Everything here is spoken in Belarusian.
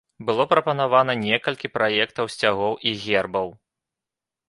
Было прапанавана некалькі праектаў сцягоў і гербаў.